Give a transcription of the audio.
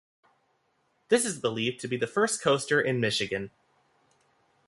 This is believed to be the first coaster in Michigan.